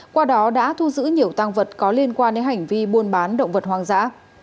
qua đó đã thu giữ nhiều tăng vật có liên quan đến hành vi buôn bán động vật hoang dã